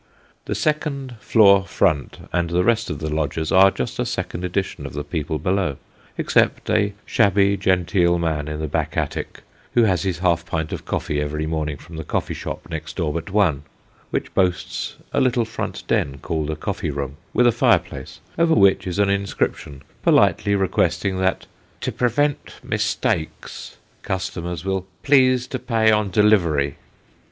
The second floor front, and the rest of the lodgers, are just a second edition of the 54 Sketches by Bos. people below, except a shabby genteel man in the back attic, who has his half pint of coffee every morning from the coffee shop next door but one, which boasts a little front den called a coffee room, with a fireplace, over which is an inscription, politely requesting that, " to prevent mistakes," customers will " please to pay on delivery."